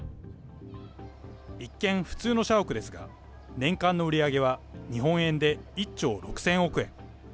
一見、普通の社屋ですが、年間の売り上げは日本円で１兆６０００億円。